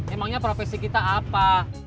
emangnya profesi kita apa